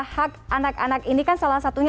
hak anak anak ini kan salah satunya